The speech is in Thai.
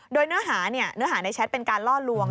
โดยเนื้อหาเนื้อหาในแชทเป็นการล่อลวง